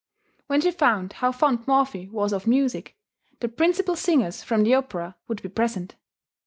When she found how fond Morphy was of music, the principal singers from the opera would be present.